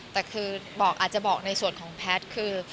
แต่คือบอกอาจจะบอกในส่วนของแพทย์คือ